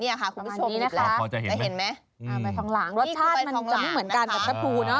ใบทองหลางรสชาติมันจะไม่เหมือนกันกับชะพรูนะ